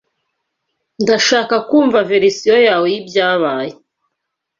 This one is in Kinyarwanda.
Ndashaka kumva verisiyo yawe y'ibyabaye.